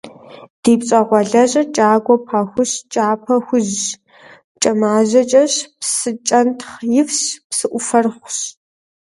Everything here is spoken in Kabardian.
Ди пщӏэгъуалэжьыр кӏагуэ пахущ, кӏапэ хужьщ, кӏэмажьэкӏэщ, псы кӏэнтхъ ифщ, псыӏуфэрыхъущ.